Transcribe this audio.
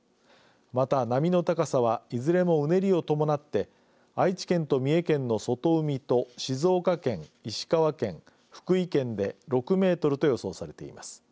また、波の高さはいずれも、うねりを伴って愛知県と三重県の外海と静岡県、石川県、福井県で６メートルと予想されています。